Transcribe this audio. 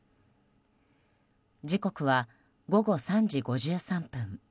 時刻は午後３時５３分。